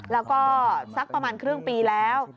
แล้วก็สักประมาณครึ่งปีแล้ว